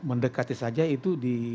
mendekati saja itu